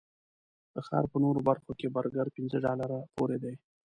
د ښار په نورو برخو کې برګر پنځه ډالرو پورې دي.